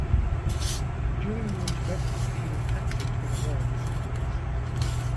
During the Interregnum, he was active for the Royalist cause.